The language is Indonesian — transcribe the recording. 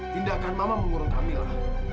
tindakan mama mengurung kamila